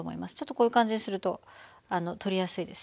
こういう感じですると取りやすいですよね。